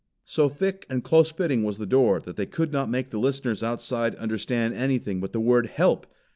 So thick and close fitting was the door that they could not make the listeners outside understand anything but the word "Help!"